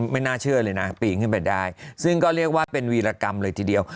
ไม่น่าเชื่อเลยนะปีนขึ้นไปได้ซึ่งก็เรียกว่าเป็นวีรกรรมเลยทีเดียว